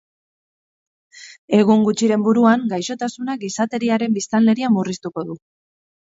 Egun gutxiren buruan, gaixotasunak gizateriaren biztanleria murriztuko du.